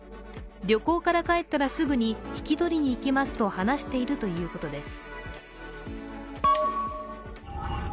旅行から帰ったらすぐに引き取りに行きますと話しているということです。